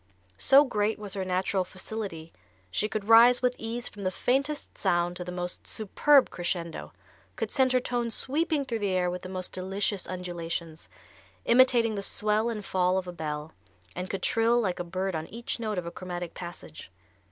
So great was her natural facility she could rise with ease from the faintest sound to the most superb crescendo, could send her tones sweeping through the air with the most delicious undulations, imitating the swell and fall of a bell, and could trill like a bird on each note of a chromatic passage.